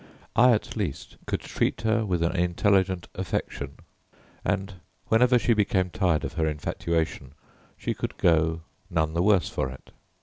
I, at least, could treat her with an intelligent affection, and whenever she became tired of her infatuation she could go none the worse for it.